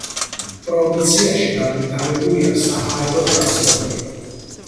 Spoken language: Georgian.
პროვინციაში განვითარებულია საჰაერო ტრანსპორტი.